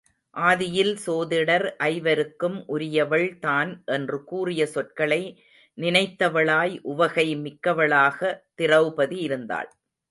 ஆதியில் சோதிடர் ஐவருக்கும் உரியவள் தான் என்று கூறிய சொற்களை நினைத்தவளாய் உவகை மிக்கவளாக திரெளபதி இருந்தாள்.